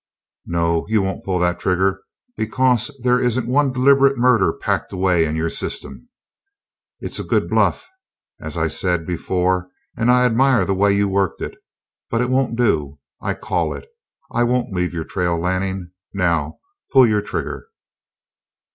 No, you won't pull that trigger, because there isn't one deliberate murder packed away in your system. It's a good bluff, as I said before, and I admire the way you worked it. But it won't do. I call it. I won't leave your trail, Lanning. Now pull your trigger."